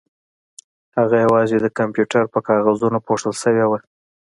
هغه یوازې د کمپیوټر په کاغذونو پوښل شوې وه